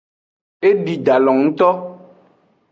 Edi dalo ngto.